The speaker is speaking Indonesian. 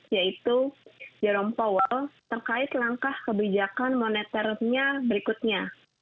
yaitu jerome powell terkait langkah kebijakan moneternya berikutnya